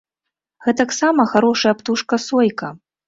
Гэтаксама харошая птушка сойка.